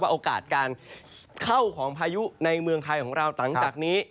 โอกาสการเข้าของพายุในเมืองไทยของเราหลังจากนี้